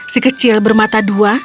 si kecil bermata dua